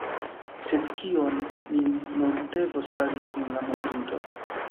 Sed kion ni nun devos fari kun la mortinto?